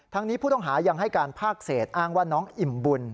นี้ผู้ต้องหายังให้การภาคเศษอ้างว่าน้องอิ่มบุญ